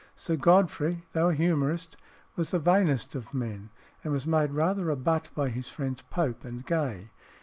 Sir Godfrey, though a humorist, was the vainest of men, and was made rather a butt by his friends Pope and Gay.